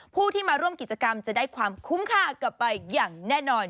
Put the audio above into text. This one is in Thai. ผู้ที่มาร่วมกิจกรรมจะได้ความคุ้มค่ากลับไปอย่างแน่นอน